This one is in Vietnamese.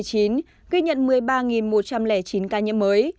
ghi nhận một mươi ba một trăm linh chín ca nhiễm mới